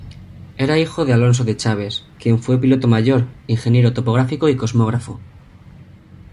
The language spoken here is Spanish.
Era hijo de Alonso de Chaves, quien fue piloto mayor, ingeniero topográfico y cosmógrafo.